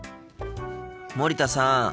森田さん。